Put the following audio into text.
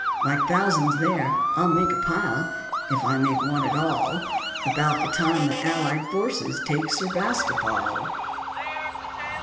Like thousands there, I'll make a pile, If I make one at all, About the time the allied forces Take Sepasterpol.